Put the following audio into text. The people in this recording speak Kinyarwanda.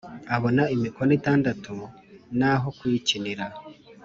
abona imikono itandatu naho kuyikinira